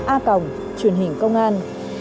a cộng truyền hình công an